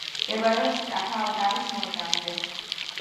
მდებარეობს ტრაფალგარის მოედანზე.